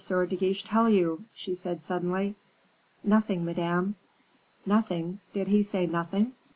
de Guiche tell you?" she said, suddenly. "Nothing, Madame." "Nothing! Did he say nothing?